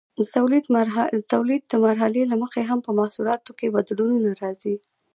د تولید د مرحلې له مخې هم په محصولاتو کې بدلونونه راځي.